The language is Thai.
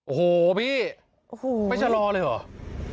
โอ้โหพี่ไม่ชะลอเลยเหรอ